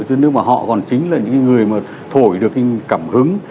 chứ nếu mà họ còn chính là những người mà thổi được cái cảm hứng